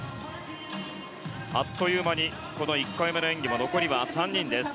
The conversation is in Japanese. あっという間に１回目の演技は残り３人です。